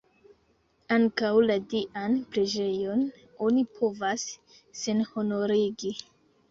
Ankaŭ la Dian preĝejon oni povas senhonorigi!